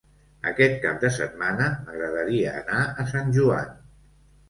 Aquest cap de setmana m'agradaria anar a Sant Joan.